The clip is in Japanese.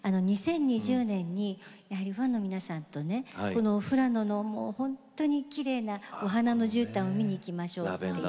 ２０２０年にファンの皆さんとねこの富良野のもう本当にきれいなお花のじゅうたんを見に行きましょうっていう。